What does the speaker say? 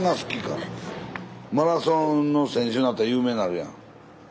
マラソンの選手になったら有名になるやん。